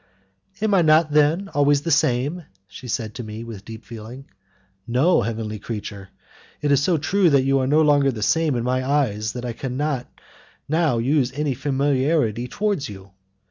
"Am I not then always the same?" said she to me, with deep feeling. "No, heavenly creature, and it is so true that you are no longer the same in my eyes that I could not now use any familiarity towards you.